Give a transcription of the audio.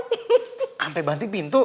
sampai banting pintu